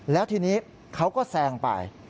แล้วทีนี้เขาก็แซงไป